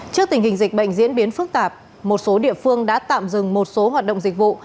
trước tình hình dịch bệnh diễn biến phức tạp một số địa phương đã tạm dừng một số hoạt động dịch vụ